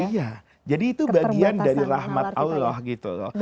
iya jadi itu bagian dari rahmat allah gitu loh